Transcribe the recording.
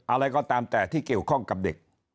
อะไรก็ตามแต่ที่เกี่ยวข้องกับเด็ก